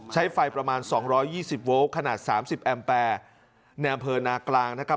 ใช้ไฟประมาณสองร้อยยี่สิบโวลต์ขนาดสามสิบแอมเปอร์ในอำเภอนากลางนะครับ